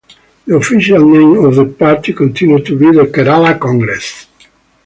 The official name of the party continued to be the Kerala Congress.